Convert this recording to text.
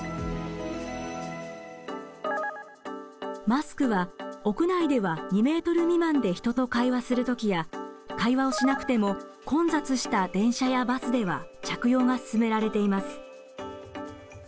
マスクは屋内では２ｍ未満で人と会話する時や会話をしなくても混雑した電車やバスでは着用が勧められています。